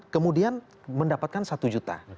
kemudian mendapatkan satu juta